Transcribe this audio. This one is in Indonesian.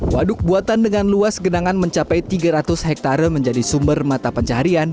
waduk buatan dengan luas genangan mencapai tiga ratus hektare menjadi sumber mata pencaharian